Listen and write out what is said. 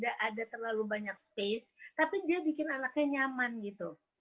karena tidak ada terlalu banyak ruang tapi dia bikin anaknya nyaman gitu